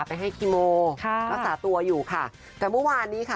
ไปให้คีโมค่ะรักษาตัวอยู่ค่ะแต่เมื่อวานนี้ค่ะ